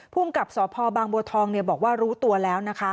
ภูมิกับสพบางบัวทองบอกว่ารู้ตัวแล้วนะคะ